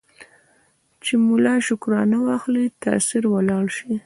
چي ملا شکرانه واخلي تأثیر ولاړ سي